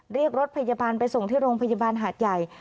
เรียกรถพยาบาลไปส่งที่โรงพยาบาลหาดใหญ่